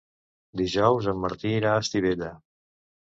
Dijous en Martí irà a Estivella.